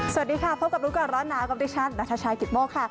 โทษครับพบกับรู้ก่อนร้อนหนาอันนี้ฉันนาธาระชายกิ๊ดโมคค่ะ